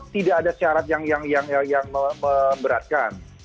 tidak ada syarat yang memberatkan